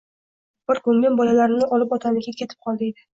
Bir ko`nglim bolalarimni olib otamnikiga ketib qol, deydi